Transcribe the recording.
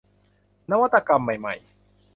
นวัตกรรมใหม่ใหม่